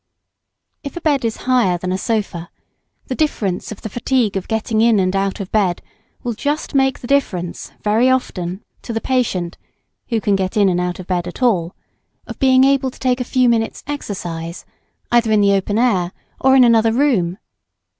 If a bed is higher than a sofa, the difference of the fatigue of getting in and out of bed will just make the difference, very often, to the patient (who can get in and out of bed at all) of being able to take a few minutes' exercise, either in the open air or in another room.